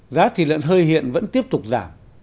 giá thì lợn hơi hiện vẫn tiếp tục giảm